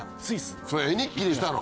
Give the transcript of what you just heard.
それ絵日記にしたの？